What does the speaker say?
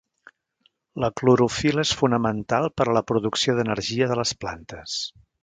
La clorofil·la és fonamental per a la producció d'energia de les plantes.